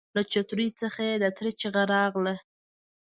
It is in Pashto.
له چوترې څخه يې د تره چيغه راغله!